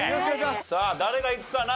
さあ誰がいくかな？